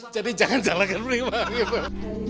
jadi jangan salahkan pak kedri mah